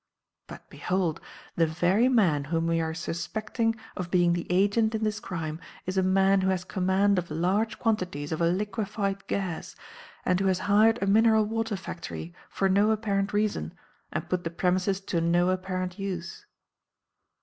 But behold! The very man whom we are suspecting of being the agent in this crime is a man who has command of large quantities of a liquified gas, and who has hired a mineral water factory for no apparent reason and put the premises to no apparent use."